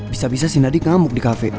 bisa bisa si nadif ngamuk di kafe